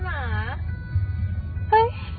สวัสดีครับ